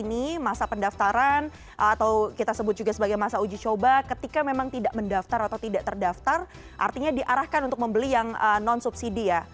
jadi mas hari ini masa pendaftaran atau kita sebut juga sebagai masa uji coba ketika memang tidak mendaftar atau tidak terdaftar artinya diarahkan untuk membeli yang non subsidi ya